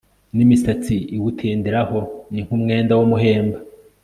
n'imisatsi iwutenderaho ni nk'umwenda w'umuhemba